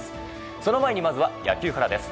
その前にまずは野球からです。